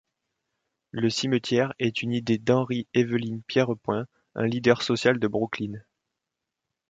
Le cimetière est une idée d'Henry Evelyn Pierrepoint, un leader social de Brooklyn.